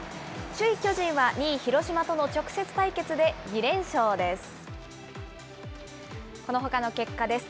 首位巨人は２位広島との直接対決で、２連勝です。